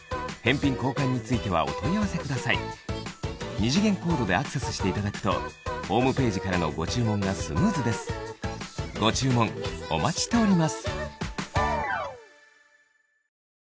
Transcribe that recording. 二次元コードでアクセスしていただくとホームページからのご注文がスムーズですご注文お待ちしております